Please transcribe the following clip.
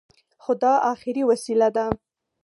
خو دا اخري وسيله ده.